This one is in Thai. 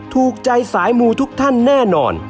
ถูกใจสายมูทุกท่านแน่นอน